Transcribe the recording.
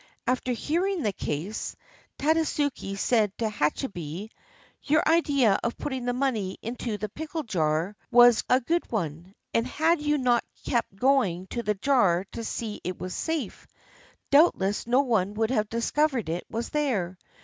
After hearing the case, Tadasuke said to Hachibei: " Your idea of putting the money into the pickle jar was 371 JAPAN a good one, and had you not kept going to the jar to see if it was safe, doubtless no one would have discovered it was there.